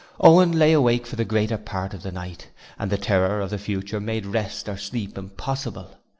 Owen lay awake for the greater part of the night. The terror of the future made rest or sleep impossible.